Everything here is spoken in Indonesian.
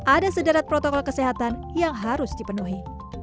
ada sederat protokol kesehatan yang harus dipenuhi